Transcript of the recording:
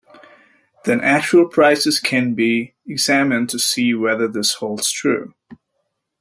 Then actual prices can be examined to see whether this holds true.